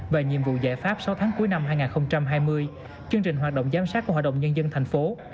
và nhiệm vụ giải pháp sáu tháng cuối năm hai nghìn hai mươi chương trình hoạt động giám sát của hội đồng nhân dân thành phố